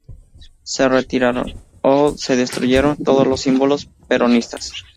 Se retiraron o se destruyeron todos los símbolos peronistas.